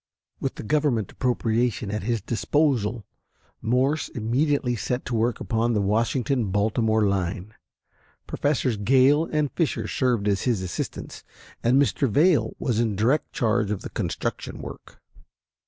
With the Government appropriation at his disposal, Morse immediately set to work upon the Washington Baltimore line. Professors Gale and Fisher served as his assistants, and Mr. Vail was in direct charge of the construction work.